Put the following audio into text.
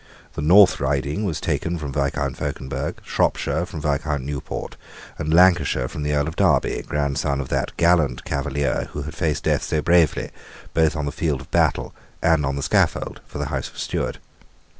The North Riding was taken from Viscount Fauconberg, Shropshire from Viscount Newport, and Lancashire from the Earl of Derby, grandson of that gallant Cavalier who had faced death so bravely, both on the field of battle and on the scaffold, for the House of Stuart.